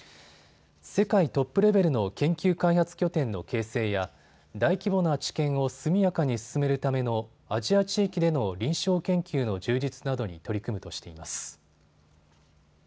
世界トップレベルの研究開発拠点の形成や大規模な治験を速やかに進めるためのアジア地域での臨床研究の充実などに取り組むとしています。